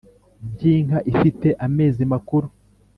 by’inka ifite amezi makuru